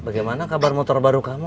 bagaimana kabar motor baru kamu